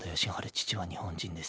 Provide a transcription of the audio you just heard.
父は日本人です。